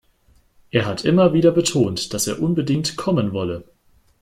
Er hat immer wieder betont, dass er unbedingt kommen wolle.